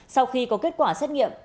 sau khi có kết quả xét nghiệm